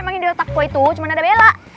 emang di otak gue itu cuma ada bella